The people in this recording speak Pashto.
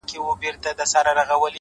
پر كومه تگ پيل كړم’